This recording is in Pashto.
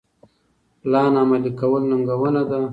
پلان عملي کول ننګونه ده.